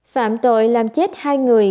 phạm tội làm chết hai người